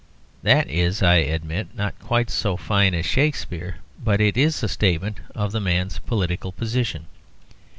That is (I admit) not quite so fine as Shakspere, but it is a statement of the man's political position.